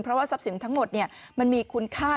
เพราะว่าทรัพย์สินทั้งหมดมันมีคุณค่า